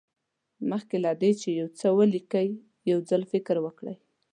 مخکې له دې چې یو څه ولیکئ یو ځل فکر وکړئ.